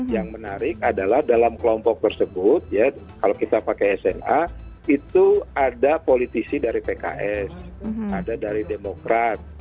yang menarik adalah dalam kelompok tersebut kalau kita pakai sna itu ada politisi dari pks ada dari demokrat